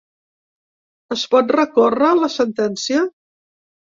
Es pot recórrer la sentència?